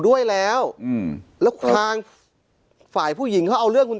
ด้วยแล้วอืมแล้วทางฝ่ายผู้หญิงเขาเอาเรื่องคุณ